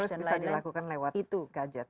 sekarang semua harus bisa dilakukan lewat gadget